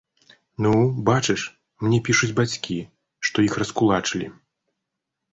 Ну, бачыш, мне пішуць бацькі, што іх раскулачылі.